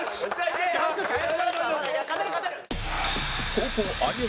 後攻有吉